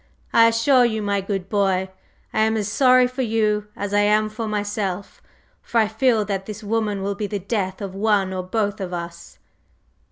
I assure you, my good boy, I am as sorry for you as I am for myself, for I feel that this woman will be the death of one or both of us!"